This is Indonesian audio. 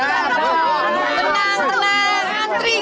sabun sabun sabun